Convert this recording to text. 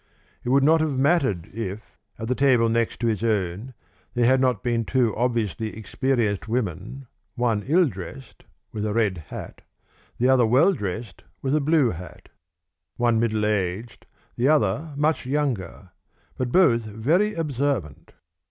It would not have mattered if, at the table next to his own, there had not been two obviously experienced women, one ill dressed, with a red hat, the other well dressed, with a blue hat; one middle aged, the other much younger; but both very observant.